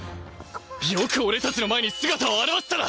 よく俺たちの前に姿を現せたな！